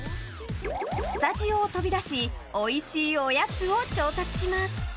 スタジオを飛び出しおいしいおやつを調達します。